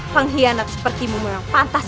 pengkhianat seperti memuang pantas